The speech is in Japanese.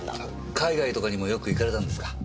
海外とかにもよく行かれたんですか？